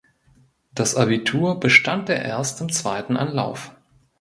Das Abitur bestand er erst im zweiten Anlauf.